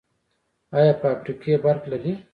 آیا فابریکې برق لري؟